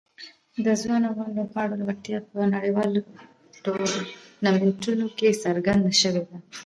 د ځوان افغان لوبغاړو وړتیا په نړیوالو ټورنمنټونو کې څرګنده شوې ده.